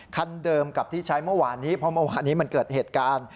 คันเดิมกับที่ใช้เมื่อวานนี้เพราะเมื่อวานนี้มันเกิดเหตุการณ์